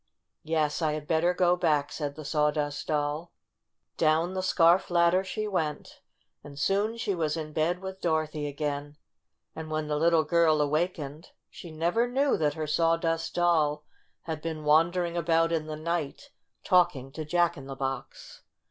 "Yes, I had better go back," said the Sawdust Doll. Down the scarf ladder she went, and soon she was in bed with Dorothy again, and when the little girl awakened she never knew that her Sawdust Doll had been wandering about in the night, talking to Jack in the Box.